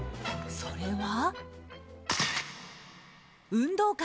それは。